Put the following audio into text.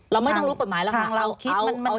เราไม่ต้องรู้กฎหมายหรอกเราเอาเหตุผลแล้วอะ